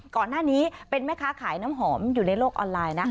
ก่อนหน้านี้เป็นแม่ค้าขายน้ำหอมอยู่ในโลกออนไลน์นะ